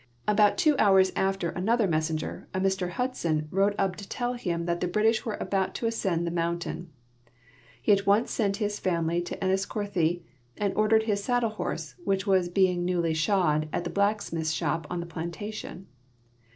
About two hours after another messenger, a i\Ir Hudson, rode up to tell him that the British were about to ascend the mountain. He at once sent his family to Enniscorthy and ordered his saddle horse, which was being newly shod at the l>lacksmith's shop on the plantation.